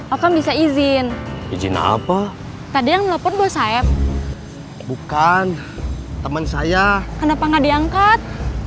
aku bisa izin izin apa tadi yang nelfon bos saya bukan temen saya kenapa nggak diangkat